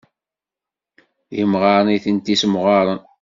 D imɣaren i tent-issemɣaren.